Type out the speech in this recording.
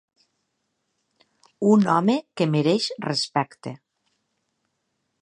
Un home que mereix respecte.